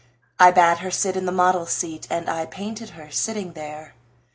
I bade her sit in the model's seat And I painted her sitting there.